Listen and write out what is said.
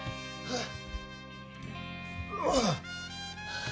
えっ？